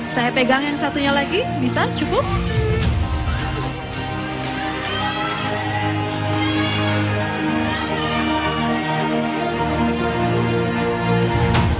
saya pegang yang satunya lagi bisa cukup